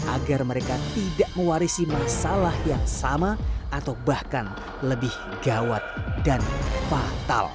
agar mereka tidak mewarisi masalah yang sama atau bahkan lebih gawat dan fatal